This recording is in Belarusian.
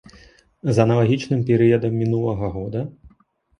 З аналагічным перыядам мінулага года?